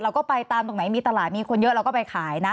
เราก็ไปตามตรงไหนมีตลาดมีคนเยอะเราก็ไปขายนะ